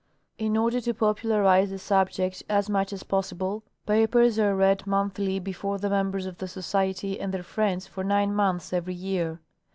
103 In order to popularize the subject as much as possible, papers are read monthly before the members of the Society and their friends for nine months every year.